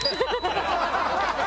ハハハハ！